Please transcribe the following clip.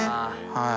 はい。